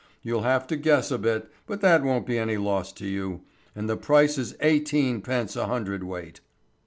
You'll have to guess a bit, but that won't be any loss to you. And the price is eighteen pence a hundredweight."